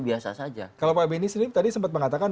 biasa saja kalau pak benny sendiri tadi sempat mengatakan